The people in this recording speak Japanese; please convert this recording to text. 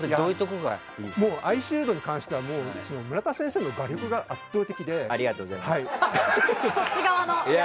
「アイシールド」に関しては村田先生の画力が圧倒的で。